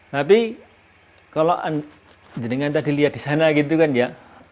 tapi kalau dengan tadi lihat di sana gitu kan ya